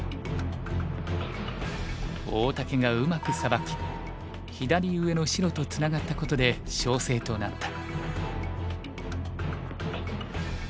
大竹がうまくサバき左上の白とツナがったことで勝勢となった。